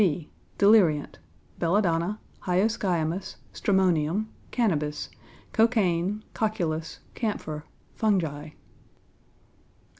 (b) Deliriant belladonna, hyoscyamus, stramonium, cannabis, cocaine, cocculus, camphor, fungi.